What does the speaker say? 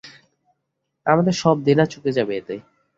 আমাদের সব দেনা চুকে যাবে এতে।